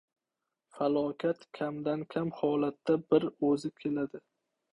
• Falokat kamdan-kam holatda bir o‘zi keladi.